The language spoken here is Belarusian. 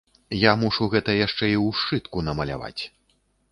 Я мушу гэта яшчэ і ў сшытку намаляваць.